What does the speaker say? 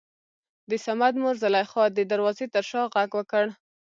دصمد مور زليخا دې دروازې تر شا غږ وکړ.